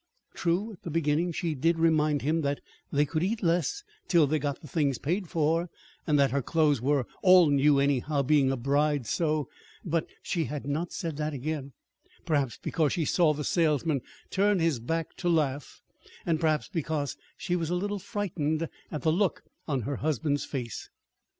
True, at the beginning she did remind him that they could "eat less" till they "got the things paid for," and that her clothes were "all new, anyhow, being a bride, so!" But she had not said that again. Perhaps because she saw the salesman turn his back to laugh, and perhaps because she was a little frightened at the look on her husband's face.